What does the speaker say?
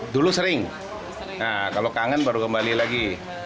dulu sering nah kalau kangen baru kembali lagi